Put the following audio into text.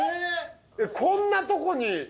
こんなとこに。